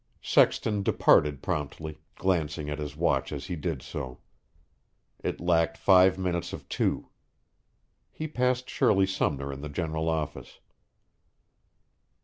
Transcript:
Sexton departed promptly, glancing at his watch as he did so. It lacked five minutes of two. He passed Shirley Sumner in the general office.